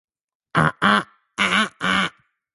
He rushes after them and the camera pans to follow him.